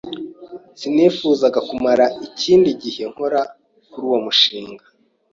Sinifuzaga kumara ikindi gihe nkora kuri uwo mushinga.